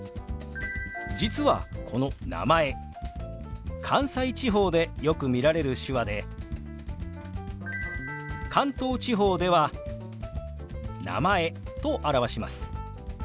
実はこの「名前」関西地方でよく見られる手話で関東地方では「名前」と表します。